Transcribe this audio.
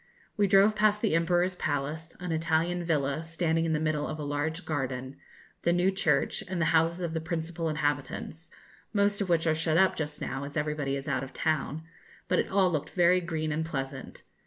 We drove past the Emperor's palace an Italian villa, standing in the middle of a large garden the new church, and the houses of the principal inhabitants, most of which are shut up just now, as everybody is out of town, but it all looked very green and pleasant.